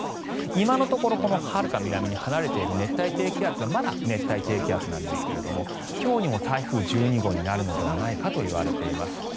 今のところこのはるか南に離れている熱帯低気圧はまだ熱帯低気圧なんですが今日にも台風１２号になるのではないかと言われています。